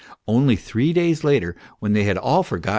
Only three days later, when they had all forgotten ME.